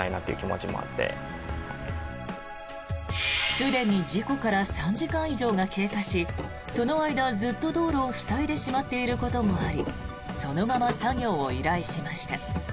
すでに事故から３時間以上が経過しその間、ずっと道路を塞いでしまっていることもありそのまま作業を依頼しました。